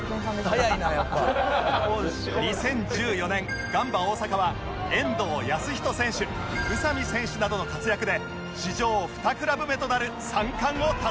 ２０１４年ガンバ大阪は遠藤保仁選手宇佐美選手などの活躍で史上２クラブ目となる３冠を達成